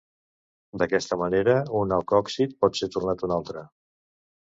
D'aquesta manera un alcòxid pot ser tornat un altre.